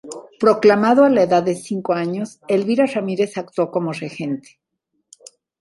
Proclamado a la edad de cinco años, Elvira Ramírez actuó como regente.